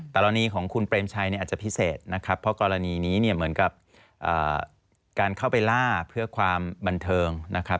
กรณีของคุณเปรมชัยเนี่ยอาจจะพิเศษนะครับเพราะกรณีนี้เนี่ยเหมือนกับการเข้าไปล่าเพื่อความบันเทิงนะครับ